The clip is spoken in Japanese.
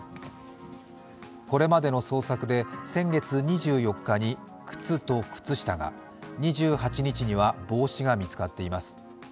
これまでの捜索で先月２４日に靴と靴下が２８日には帽子が見つかっています。